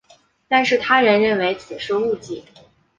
但是他人认为此是误记。